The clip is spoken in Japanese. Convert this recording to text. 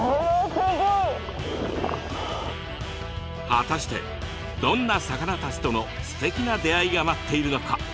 果たしてどんな魚たちとのすてきな出会いが待っているのか。